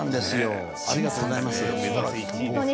ありがとうございます。